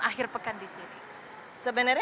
akhir pekan di sini sebenarnya